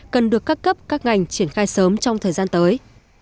cần được các cấp các ngành triển khai sớm trong thời gian tới